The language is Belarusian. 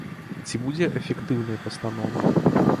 Ці будзе эфектыўнай пастанова?